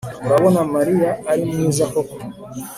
urabona mariya ari mwiza koko